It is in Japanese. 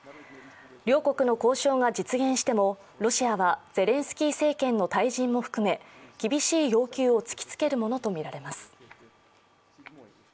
両国の交渉が実現してもロシアはゼレンスキー政権の退陣も含め厳しい要求を突き詰めるものとみられます。